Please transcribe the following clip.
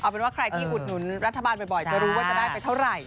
เป็นว่าใครที่อุดหนุนรัฐบาลบ่อยจะรู้ว่าจะได้ไปเท่าไหร่